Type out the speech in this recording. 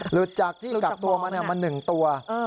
หลุดจากที่กักตัวมามา๑ตัว